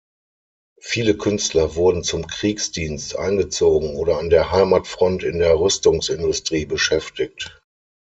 Viele Künstler wurden zum Kriegsdienst eingezogen oder an der Heimatfront in der Rüstungsindustrie beschäftigt.